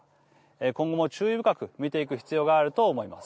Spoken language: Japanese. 今後も注意深く見ていく必要があると思います。